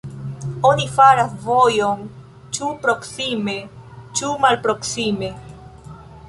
Oni faras vojon, ĉu proksime ĉu malproksime.